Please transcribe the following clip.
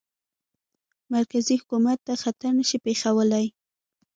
مرکزي حکومت ته خطر نه شي پېښولای.